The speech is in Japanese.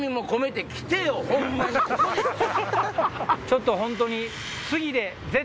ちょっと本当に。